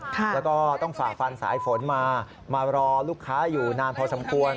แล้วก็ต้องฝ่าฟันสายฝนมามารอลูกค้าอยู่นานพอสมควร